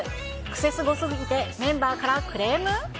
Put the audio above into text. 癖すごすぎでメンバーからクレーム？